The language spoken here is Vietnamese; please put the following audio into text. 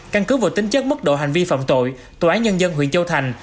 căn cứ vô tính chất mức độ hành vi phạm tội tòa án nhân dân huyện châu thành